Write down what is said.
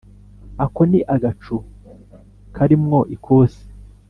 ako ni agacu kari mwo ikosi